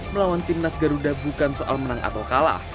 melawan tim nasi garuda bukan soal menang atau kalah